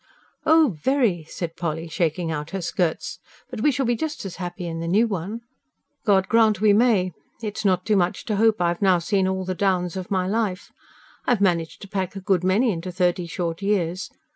"Oh, very," said Polly, shaking out her skirts. "But we shall be just as happy in the new one." "God grant we may! It's not too much to hope I've now seen all the downs of my life. I've managed to pack a good many into thirty short years.